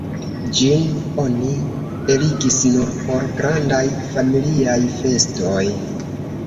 Ĝin oni eligis nur por grandaj familiaj festoj.